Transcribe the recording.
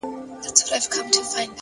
صبر د سختو حالاتو توازن دی.!